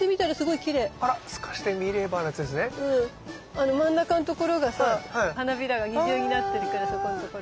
あの真ん中のところがさ花びらが二重になってるからそこんところ。